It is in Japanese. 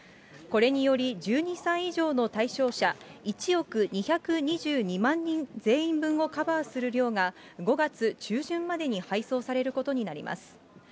これにより、１２歳以上の対象者１億２２２万人全員分をカバーする量が、５月中旬までに配送されることになります。